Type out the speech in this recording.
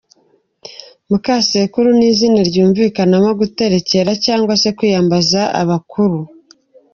Mukasekuru ni izina ryumvikanamo guterekera cyangwa se kwiyambaza abakuru.